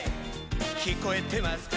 聞こえてますか」